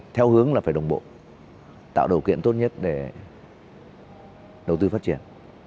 theo hướng là phải đồng bộ tạo điều kiện tốt nhất để đầu tư phát triển